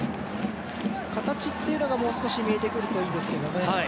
形というのが、もう少し見えてくるといいんですけどね。